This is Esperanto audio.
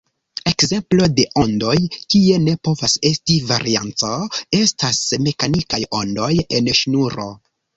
Ekzemplo de ondoj kie ne povas esti varianco estas mekanikaj ondoj en ŝnuro.